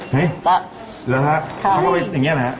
เห้ยเหรอครับเค้าเข้าไปอย่างนี้นะครับ